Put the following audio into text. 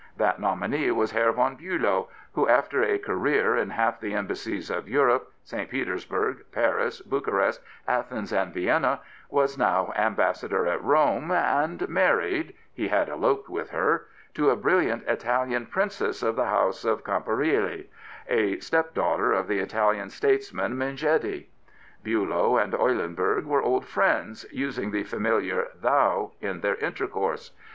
That nominee was Herr von Biilow, who, after a career in half the embassies of Europe, St. Petersburg, Paris, Bucharest, Athens, and Vienna, was now Ambassador at Rome, and married — he had eloped with her — to a brilliant Italian Princess of the House of Camporeale, a step daughter of the Italian statesman Mmghetti. Biilow and Eulenburg were old friends, using the familiar " thou " in their intercourse.